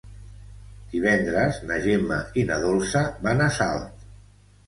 Divendres na Gemma i na Dolça van a Salt.